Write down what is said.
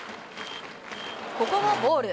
ここもボール。